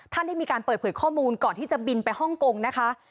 ท่านได้มีการเปิดเผยข้อมูลก่อนที่จะบินไปฮ่องกงนะคะ